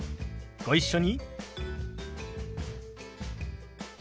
ご一緒に。